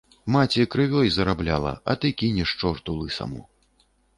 Маці крывёй зарабляла, а ты кінеш чорту лысаму.